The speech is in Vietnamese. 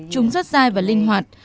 chúng rất dai và linh hoạt